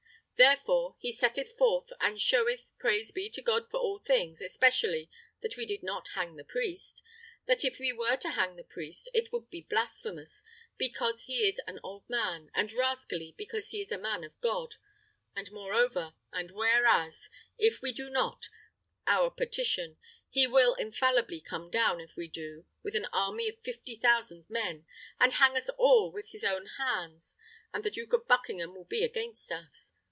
Therefore he setteth forth and showeth praise be to God for all things, especially that we did not hang the priest! that if we were to hang the priest, it would be blasphemous, because he is an old man; and rascally, because he is a man of God; and moreover, that whereas, if we do not, the king will grant us our petition. He will infallibly come down, if we do, with an army of fifty thousand men, and hang us all with his own hands, and the Duke of Buckingham will be against us.